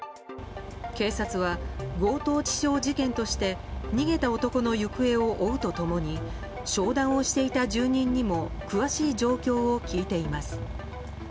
警察は強盗致傷事件として逃げた男の行方を追うと共に商談をしていた住人にも詳しい状況を聞いています。